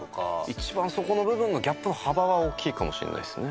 一番そこの部分のギャップの幅は大きいかもしれないですね。